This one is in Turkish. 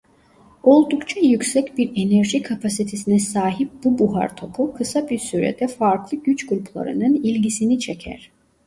Oldukça yüksek bir enerji kapasitesine sahip bu buhar topu kısa bir sürede farklı güç gruplarının ilgisini çeker.